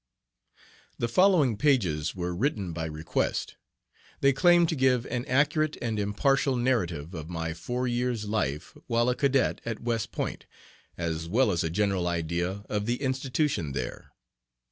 THE following pages were written by request. They claim to give an accurate and impartial narrative of my four years' life while a cadet at West Point, as well as a general idea of the institution there.